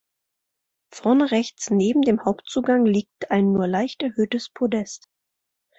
Vorne rechts, neben dem Hauptzugang liegt ein nur leicht erhöhtes Podest.